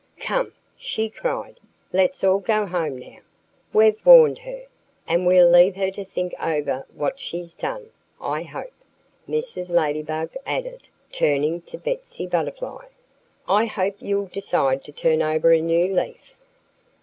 "Come!" she cried. "Let's all go home now. We've warned her; and we'll leave her to think over what she's done.... I hope " Mrs. Ladybug added, turning to Betsy Butterfly "I hope you'll decide to turn over a new leaf."